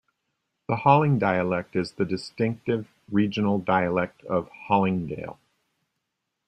The Halling dialect is the distinctive regional dialect of Hallingdal.